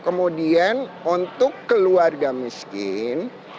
kemudian untuk keluarga miskin